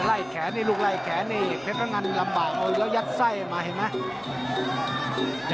ไล่แขนนี่ลูกไล่แขนนี่เพศพังกันลำบากเอาอยู่แล้วยัดไส้มาเห็นมั้ย